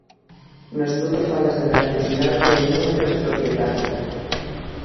No estudo fálase da necesidade de unión entre os propietarios.